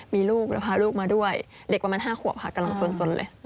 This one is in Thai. มีลูกแล้วพาลูกมาด้วยเด็กประมาณ๕ขวบค่ะกำลังสนเลย